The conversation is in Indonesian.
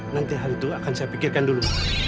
nanti hal itu akan saya pikirkan dulu